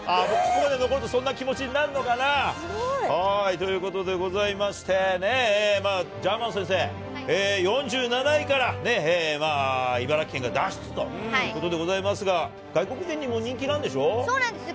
ここまで残るとそんな気持ちになるのかな。ということでございまして、ジャーマン先生、４７位から、茨城県が脱出ということでございますが、外国人にも人気なんでしそうなんです。